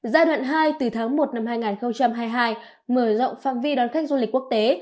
giai đoạn hai từ tháng một năm hai nghìn hai mươi hai mở rộng phạm vi đón khách du lịch quốc tế